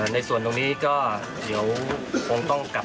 ในส่วนตรงนี้ก็เดี๋ยวคงต้องกลับ